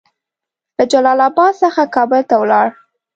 له جلال اباد څخه کابل ته ولاړ.